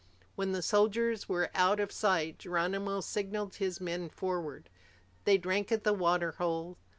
When the soldiers were out of sight, Geronimo signaled his men forward. They drank at the water hole.